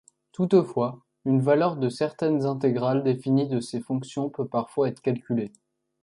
Toutefois une valeur de certaines intégrales définies de ces fonctions peut parfois être calculée.